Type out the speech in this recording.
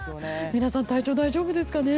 皆さん、体調大丈夫ですかね。